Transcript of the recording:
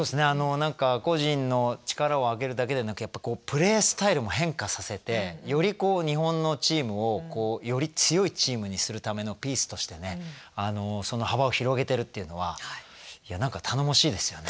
何か個人の力を上げるだけでなくやっぱこうプレースタイルも変化させてよりこう日本のチームをこうより強いチームにするためのピースとしてね幅を広げてるっていうのはいや何か頼もしいですよね。